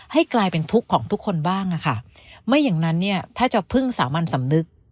ให้กลายเป็นทุกข์ของทุกคนบ้างอะค่ะไม่อย่างนั้นเนี่ยถ้าจะพึ่งสามัญสำนึก